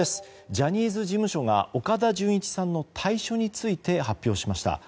ジャニーズ事務所が岡田准一さんの退所について発表しました。